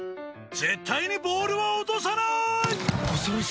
絶対にボールは落とさない！